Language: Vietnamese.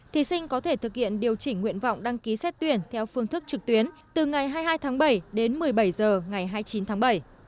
thí sinh có thể thực hiện điều chỉnh nguyện vọng đăng ký xét tuyển theo phương thức trực tuyến từ ngày hai mươi hai tháng bảy đến một mươi bảy h ngày hai mươi chín tháng bảy